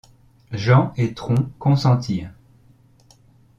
Jean et Tron consentirent.